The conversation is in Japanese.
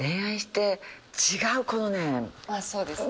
そうですね。